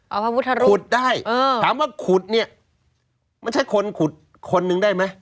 เอาพระพุทธรูปขุดได้เออถามว่าขุดเนี่ยไม่ใช่คนขุดคนหนึ่งได้ไหม